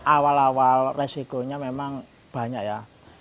awal awal resikonya memang banyak ya